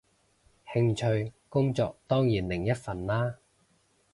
興趣，工作當然另一份啦